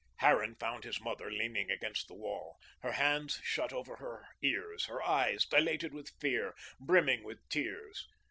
Harran found his mother leaning against the wall, her hands shut over her ears; her eyes, dilated with fear, brimming with tears.